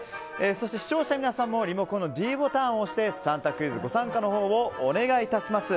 そして視聴者の皆さんもリモコンのｄボタンを押して３択クイズにご参加のほうをお願いいたします。